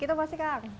itu masih kang